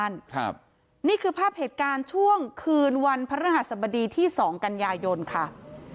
นี่คือภาพเหตุการณ์ช่วงคืนวันหรือวันบรรยากรวม